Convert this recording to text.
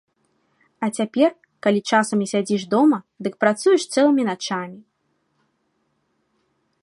А цяпер, калі часам і сядзіш дома, дык працуеш цэлымі начамі.